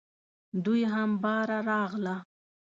دوی هم باره راغله .